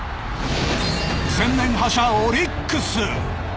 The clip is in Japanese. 前年覇者オリックス。